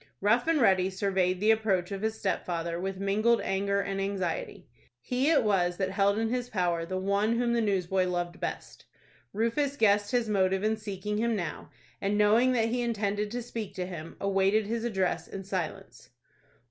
Rough and Ready surveyed the approach of his stepfather with mingled anger and anxiety. He it was that held in his power the one whom the newsboy loved best. Rufus guessed his motive in seeking him now, and, knowing that he intended to speak to him, awaited his address in silence.